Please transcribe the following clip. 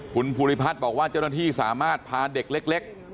คุณภูริพัฒน์บอกว่าเจ้าหน้าที่สามารถพาเด็กเล็ก